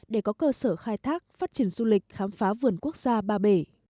để có cơ sở khai thác phát triển du lịch khám phá vườn quốc gia ba bể